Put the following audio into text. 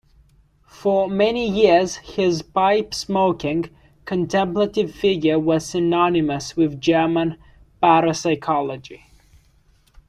For many years his pipe smoking, contemplative figure was synonymous with German parapsychology.